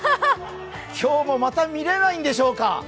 今日もまた見れないんでしょうか。